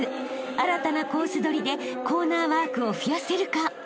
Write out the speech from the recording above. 新たなコース取りでコーナーワークを増やせるか？］